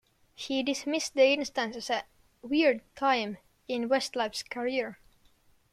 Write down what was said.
He dismissed the instance as a "weird time" in Westlife's career.